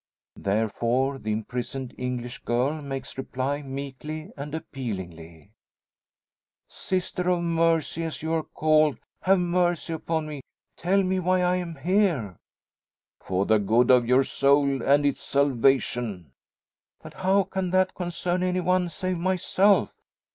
Therefore the imprisoned English girl makes reply, meekly and appealingly "Sister of Mercy, as you are called; have mercy upon me! Tell me why I am here?" "For the good of your soul and its salvation." "But how can that concern any one save myself?"